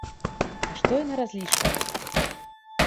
На што яны разлічваюць?